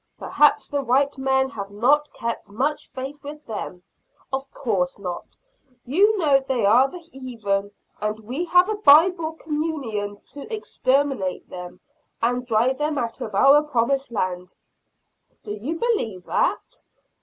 "Perhaps the white men have not kept much faith with them." "Of course not. You know they are the heathen; and we have a Bible communion to exterminate them, and drive them out of our promised land." "Do you believe that?"